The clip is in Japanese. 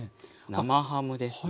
生ハムですね。